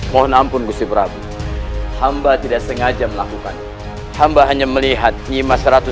mohon ampun gusibrabu hamba tidak sengaja melakukan hamba hanya melihat nyimah ratus